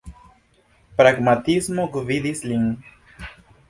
Pragmatismo gvidis lin.